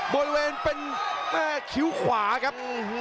บริเวณเป็นแม่คิ้วขวาครับ